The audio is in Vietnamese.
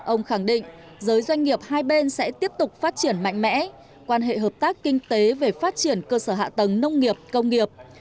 ông khẳng định giới doanh nghiệp hai bên sẽ tiếp tục phát triển mạnh mẽ quan hệ hợp tác kinh tế về phát triển cơ sở hạ tầng nông nghiệp công nghiệp